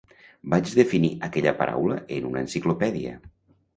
Vaig definir aquella paraula en una enciclopèdia.